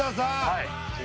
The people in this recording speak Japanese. はい。